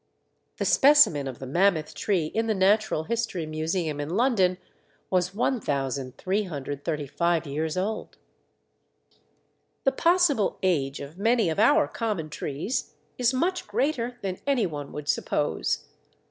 The specimen of the Mammoth tree in the Natural History Museum in London was 1335 years old. The possible age of many of our common trees is much greater than any one would suppose.